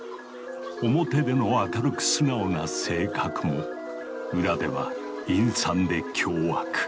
表での明るく素直な性格も裏では陰惨で凶悪。